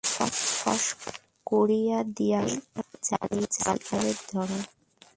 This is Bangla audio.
ফস করিয়া দিয়াশলাই জ্বালিয়া সিগারেট ধরায়।